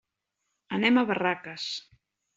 Anem a Barraques.